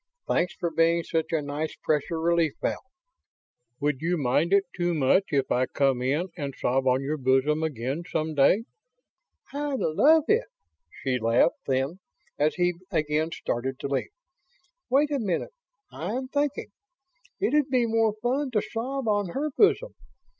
Thanks for being such a nice pressure relief valve. Would you mind it too much if I come in and sob on your bosom again some day?" "I'd love it!" She laughed; then, as he again started to leave: "Wait a minute, I'm thinking ... it'd be more fun to sob on her bosom.